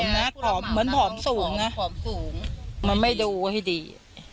มันไม่ดูให้ดี